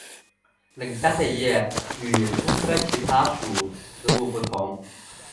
冷杉的叶与松科其他属植物不同。